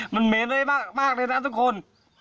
มันเม็ดได้มากมากเลยนะทุกคน